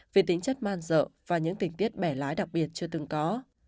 vì tính chất man dợ và những tình tiết bẻ lái đặc biệt chưa từng có